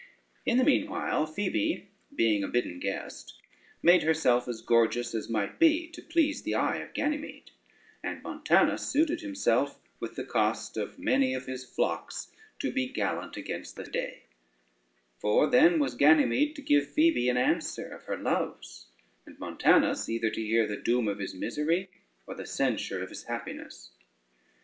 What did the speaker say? In the meanwhile, Phoebe being a bidden guest made herself as gorgeous as might be to please the eye of Ganymede; and Montanus suited himself with the cost of many of his flocks to be gallant against the day, for then was Ganymede to give Phoebe an answer of her loves, and Montanus either to hear the doom of his misery, or the censure of his happiness.